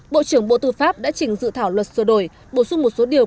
bộ trưởng bộ tư pháp đã chỉnh dự thảo luật sửa đổi bổ sung một số điều